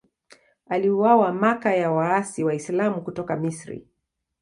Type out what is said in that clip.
Aliuawa Makka na waasi Waislamu kutoka Misri.